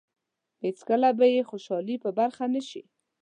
هېڅکله به یې خوشالۍ په برخه نه شي.